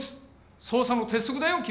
捜査の鉄則だよ君！